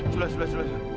sudah sudah sudah